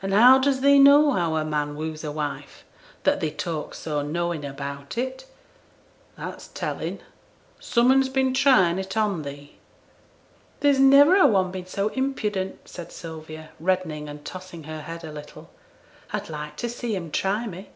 'An' how does thee know how a man woos a wife, that thee talks so knowin' about it? That's tellin'. Some un's been tryin' it on thee.' 'There's niver a one been so impudent,' said Sylvia, reddening and tossing her head a little; 'I'd like to see 'em try me!'